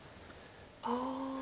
ああ。